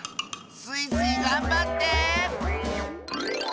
スイスイがんばって！